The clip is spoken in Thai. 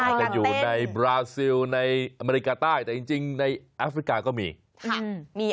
จะอยู่ในบราซิลในอเมริกาใต้แต่จริงในแอฟริกาก็มี